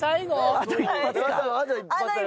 あと１発。